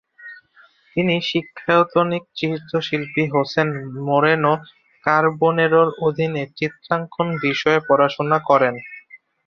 তিনি শিক্ষায়তনিক চিত্রশিল্পী Jose Moreno কারবোনেরোর অধীনে চিত্রাঙ্কন বিষয়ে পড়াশোনা করেন।